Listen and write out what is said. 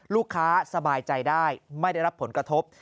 สบายใจได้ไม่ได้รับผลกระทบ